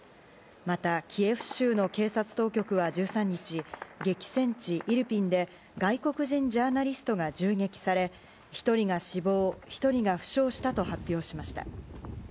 またキエフ州の警察当局は１３日激戦地イルピンで外国人ジャーナリストが銃撃され１人が死亡、１人が負傷したと発表しました。